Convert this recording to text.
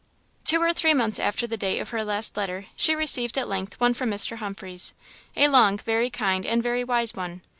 Two or three months after the date of her last letter, she received at length one from Mr. Humphreys, a long, very kind, and very wise one.